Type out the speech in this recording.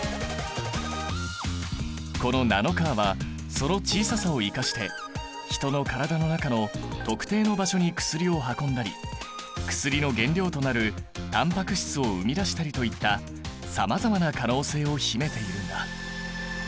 このナノカーはその小ささを生かして人の体の中の特定の場所に薬を運んだり薬の原料となるタンパク質を生み出したりといったさまざまな可能性を秘めているんだ。